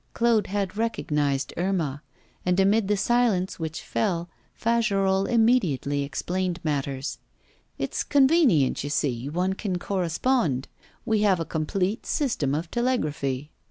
Claude had recognised Irma; and amid the silence which fell Fagerolles quietly explained matters: 'It's convenient, you see, one can correspond. We have a complete system of telegraphy.